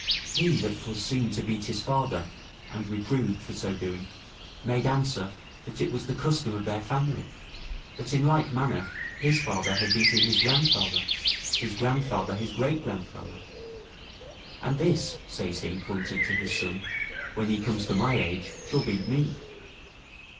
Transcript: He that was seen to beat his father, and reproved for so doing, made answer, that it was the custom of their family; that, in like manner, his father had beaten his grandfather, his grandfather his great grandfather, "And this," says he, pointing to his son, "when he comes to my age, shall beat me."